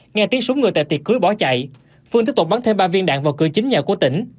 nghe tiếng súng người tại tiệc cưới bỏ chạy phương tiếp tục bắn thêm ba viên đạn vào cửa chính nhà của tỉnh